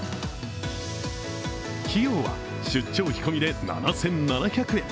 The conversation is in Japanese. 費用は出張費込みで７７００円。